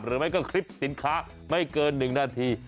หรือไม่ก็คลิปสินค้าไม่เกิน๑นาที